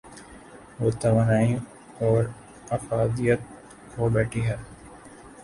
وہ توانائی اورافادیت کھو بیٹھی ہے۔